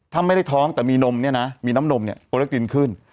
ถ้าไม่ได้ท้องแต่มีนมเนี่ยนะมีน้ำนมเนี่ยโปรเล็กตินขึ้น